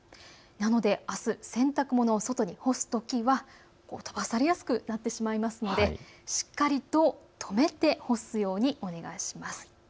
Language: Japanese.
なのであす洗濯物を外に干すときは飛ばされやすくなってしまいますのでしっかりと留めて干すようにお願いします。